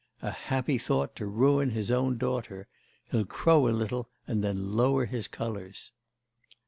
A happy thought to ruin his own daughter! He'll crow a little and then lower his colours.